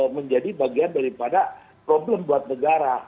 menjadi bagian daripada problem buat negara